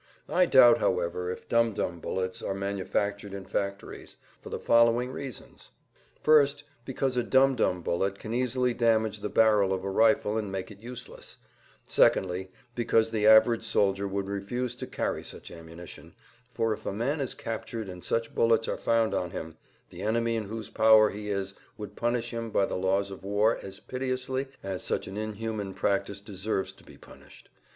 I doubt, however, if dum dum bullets are manufactured in factories, for the following reasons:—first, because a dum dum bullet can easily damage the barrel of a rifle and make it useless; secondly, because the average soldier would refuse to carry such ammunition, for if a man is captured and such bullets are found on him, the enemy in[Pg 161] whose power he is would punish him by the laws of war as pitilessly as such an inhuman practice deserves to be punished.